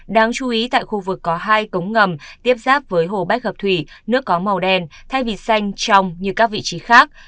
đáng chú ý tại khu vực có hai cống ngầm tiếp giáp với hồ bách gặp thủy nước có màu đen thay vì xanh trong như các vị trí khác